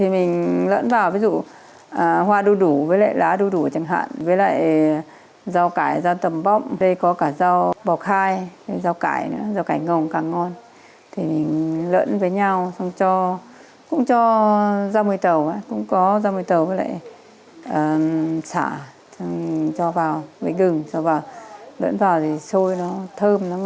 mình rau luộc thì thường luộc thì nó hay nhạt